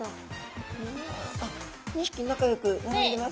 あっ２匹仲よく並んでます。